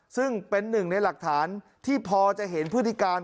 ซึ่งเป็นหนึ่งในหลักฐานที่พอจะเห็นพฤติการ